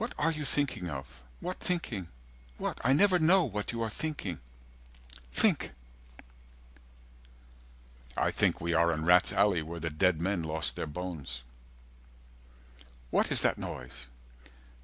"What are you thinking of? What thinking? What? "I never know what you are thinking. Think." I think we are in rats' alley Where the dead men lost their bones. "What is that noise?"